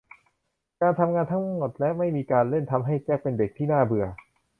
การทำงานทั้งหมดและไม่มีการเล่นทำให้แจ็คเป็นเด็กที่น่าเบื่อ